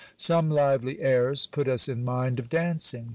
Some lively airs put us in mind of dancing.